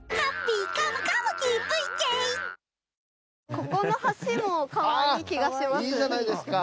ここの橋もかわいい気がします。